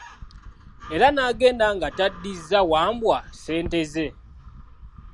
Era n'agenda nga taddizza Wambwa ssente ze.